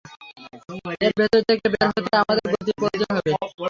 এর ভেতর থেকে বের হতে হলে আমাদের গতির প্রয়োজন হবে।